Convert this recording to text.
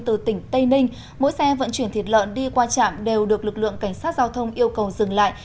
từ tỉnh tây ninh mỗi xe vận chuyển thịt lợn đi qua trạm đều được lực lượng cảnh sát giao thông yêu cầu dừng lại